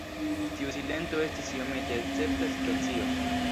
Tiu silento estis iomete escepta situacio.